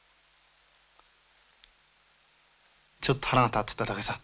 ちょっと腹が立ってただけさ。